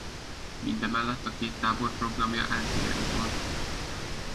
Mindemellett a két tábor programja eltérő volt.